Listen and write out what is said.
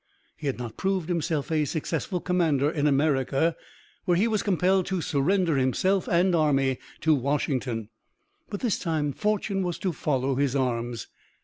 He had not proved himself a successful commander in America, where he was compelled to surrender himself and army to Washington; but this time fortune was to follow his arms.